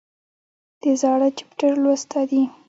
د زاړه چپټر لوسته دي